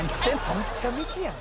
めっちゃ道やん。